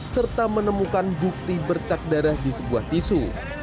serta menemukan bukti bercak darah di sebuah tisu